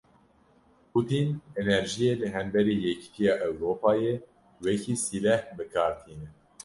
Putîn, enerjiyê li hemberî Yekîtiya Ewropayê wekî sîleh bi kar tîne.